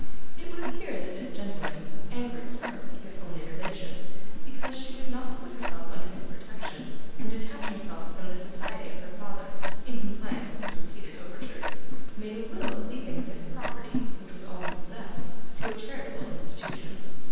It would appear that this gentleman, angry with her (his only relation) because she would not put herself under his protection, and detach herself from the society of her father, in compliance with his repeated overtures, made a will leaving this property (which was all he possessed) to a charitable institution.